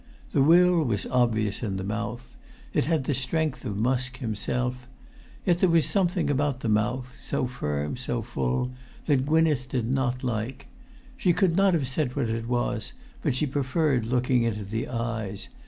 The will was obvious in the mouth. It had the strength of Musk himself. Yet there was something about the mouth—so firm—so full—that Gwynneth did not like. She could not have said what it was, but she preferred looking into the eyes.